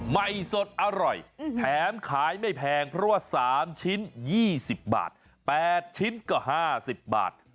ใหม่สดอร่อยแถมขายไม่แพงเพราะว่า๓ชิ้น๒๐บาท๘ชิ้นก็๕๐บาท